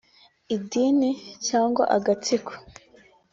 idini cyangwa agatsiko